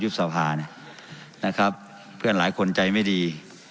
ยุบการท่านนะครับเพื่อนหลายคนใจไม่ดี